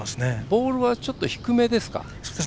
ボールはちょっと低めですか。